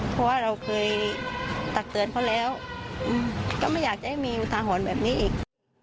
เพราะว่าเราเคยตักเตือนเขาแล้วก็ไม่อยากจะให้มีอุทาหรณ์แบบนี้อีก